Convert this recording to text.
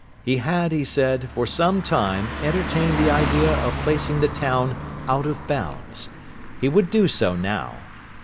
He had, he said, for some time entertained the idea of placing the town out of bounds. He would do so now.